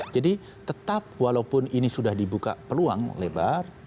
jadi tetap walaupun ini sudah dibuka peluang lebar